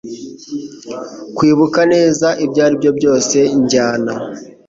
Kwibuka neza Ibyo aribyo byose njyana